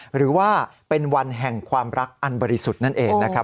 หรือว่าเป็นวันแห่งความรักอันบริสุทธิ์นั่นเองนะครับ